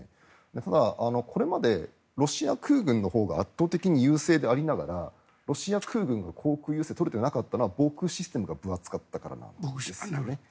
ただ、これまでロシア空軍のほうが圧倒的に優勢でありながらロシア空軍が航空優勢を取れていなかったのは防空システムがぶ厚かったからなんですね。